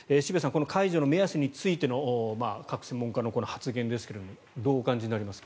この解除の目安のついての各専門家の発言ですがどうお感じになりますか？